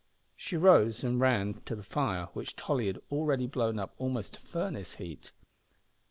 She rose and ran to the fire which Tolly had already blown up almost to furnace heat.